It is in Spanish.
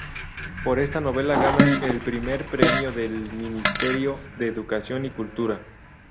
Por esta novela gana el Primer Premio del Ministerio de Educación y Cultura.